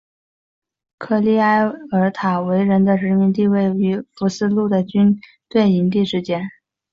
科利埃尔塔维人的殖民地位于福斯路的军队营地之间。